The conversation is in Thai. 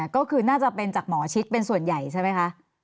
ก็คือน่าจะเป็นจากหมอชิดเป็นส่วนใหญ่ใช่ไหมคะ